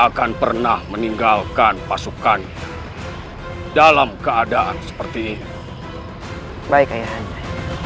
akan pernah meninggalkan pasukan dalam keadaan seperti ini baik ayah anda